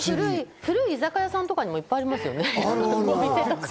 古い居酒屋さんとかにも、いっぱいありますよね。